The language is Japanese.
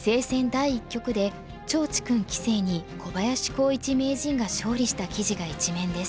第一局で趙治勲棋聖に小林光一名人が勝利した記事が一面です。